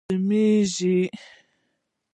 پرې شرمېږي.